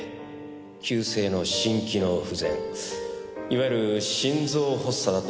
急性の心機能不全いわゆる心臓発作だと思われます。